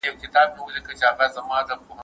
تاسو څنګه کولای شئ د سرمايې حاصل لوړ کړئ؟